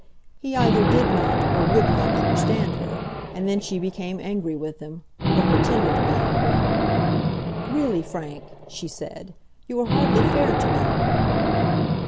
He either did not or would not understand her, and then she became angry with him, or pretended to be angry. "Really, Frank," she said, "you are hardly fair to me."